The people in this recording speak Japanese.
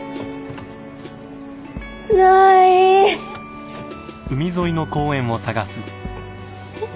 ない！えっ！？